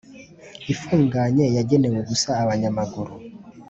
ifunganye yagenewe gusa abanyamaguru